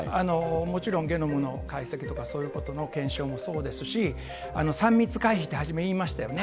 もちろんゲノムの解析とかそういうことの検証もそうですし、３密回避って、はじめ、言いましたよね。